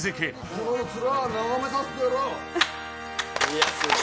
このつらを眺めさせてやろう！